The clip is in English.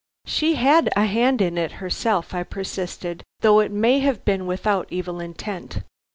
"She had a hand in it herself," I persisted; "though it may have been without evil intent.